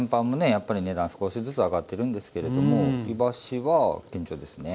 やっぱり値段少しずつ上がってるんですけれどもいわしは堅調ですね。